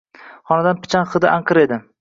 Xonadan pichan hidi anqir edi.